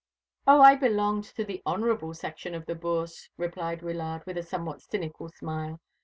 "O, I belonged to the honourable section of the Bourse," replied Wyllard, with a somewhat cynical smile.